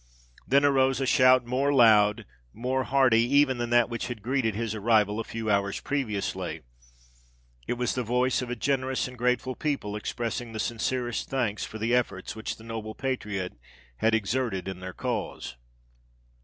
Then arose a shout more loud—more hearty even than that which had greeted his arrival a few hours previously: it was the voice of a generous and grateful people, expressing the sincerest thanks for the efforts which the noble patriot had exerted in their cause.